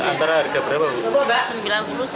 antara harga berapa